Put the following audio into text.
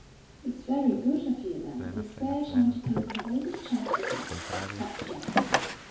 "It's very good of you, then, to spare time to come and have a little chat with me," said James.